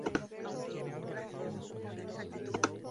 Una de las poblaciones tomó el nombre de San Francisco de Valero.